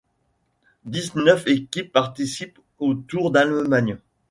Dix-neuf équipes participent au Tour d'Allemagne.